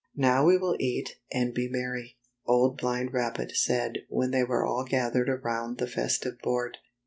" Now we will eat and be merry," Old Blind Rabbit said when they were all gathered around the festive board.